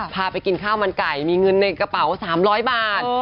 พาไปกินข้าวมันไก่มีเงินในกระเป๋า๓๐๐บาท